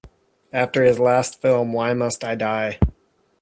After his last film Why Must I Die?